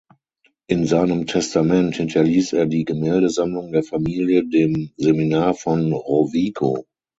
In seinem Testament hinterließ er die Gemäldesammlung der Familie dem Seminar von Rovigo.